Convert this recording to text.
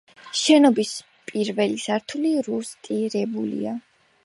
შენობის პირველი სართული რუსტირებულია.